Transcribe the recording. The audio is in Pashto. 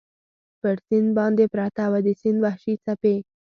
پر سیند باندې پرته وه، د سیند وحشي څپې.